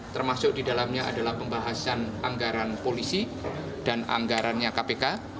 termasuk di dalamnya adalah pembahasan anggaran polisi dan anggarannya kpk